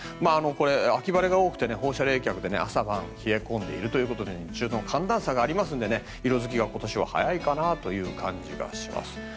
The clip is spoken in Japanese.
これ、秋晴れが多くて放射冷却で朝晩冷え込んでいるということで日中の寒暖差がありますので色付きが今年は早いかなと思います。